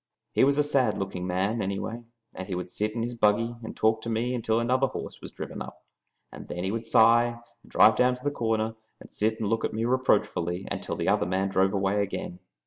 He was a sad looking man, anyway, and he would sit in his buggy and talk to me until another horse was driven up, and then he would sigh and drive down to the corner, and sit and look at me reproachfully until the other man drove away again.